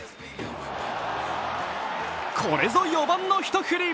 これぞ４番の一振り。